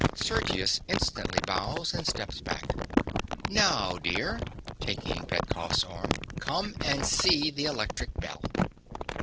(Sergius instantly bows and steps back.) Now, dear (taking Petkoff's arm), come and see the electric bell.